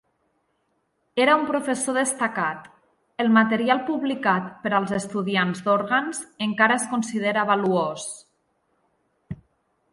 Era un professor destacat, el material publicat per als estudiants d'òrgans encara es considera valuós.